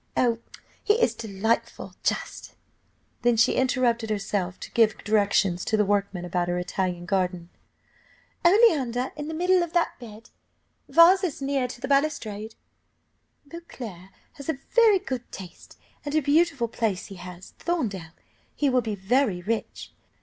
Oh! he is delightful, just " then she interrupted herself to give directions to the workmen about her Italian garden "Oleander in the middle of that bed; vases nearer to the balustrade " "Beauclerc has a very good taste, and a beautiful place he has, Thorndale. He will be very rich.